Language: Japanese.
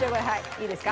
いいですか？